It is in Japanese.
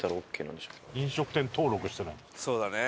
そうだね。